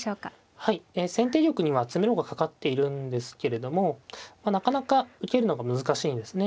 はい先手玉には詰めろがかかっているんですけれどもなかなか受けるのが難しいんですね。